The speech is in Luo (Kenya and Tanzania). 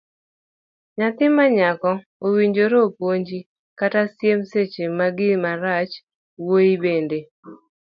Nyathi manyako owinjore opunji kata siem seche magi marach, mawuoyi bende.